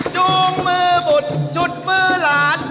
จูงมือบุตรจุดมือหลาน